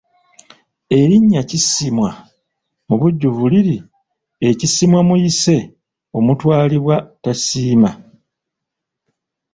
Erinnya Kisiimwa mu bujjuvu liri Ekisiimwa omuyise omutwalibwa tasiima.